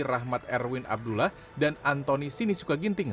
rahmat erwin abdullah dan antoni sinisuka ginting